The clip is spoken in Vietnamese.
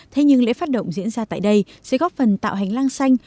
thế nhưng lễ phát động diễn ra tại đây sẽ góp phần tạo hành lang xanh